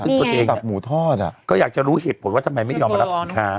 ซึ่งตัวเองก็อยากจะรู้เหตุผลว่าทำไมไม่ยอมมารับขายค้า